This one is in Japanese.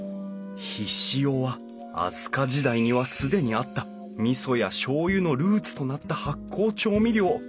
醤は飛鳥時代には既にあったみそやしょう油のルーツとなった発酵調味料！